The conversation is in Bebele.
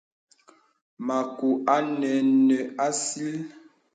Mǎku ā nə̀ nə̀ àsìl.